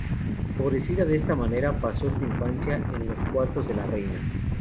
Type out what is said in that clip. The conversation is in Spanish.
Favorecida de esta manera, pasó su infancia en los cuartos de la reina.